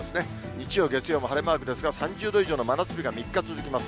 日曜、月曜も晴れマークですが、３０度以上の真夏日が３日続きます。